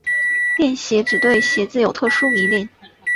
恋鞋指对于鞋子有特殊迷恋。